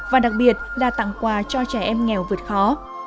và đặc biệt là tặng quà cho trẻ em nghèo vượt khó